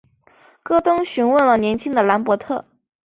戈登询问了年轻的兰伯特。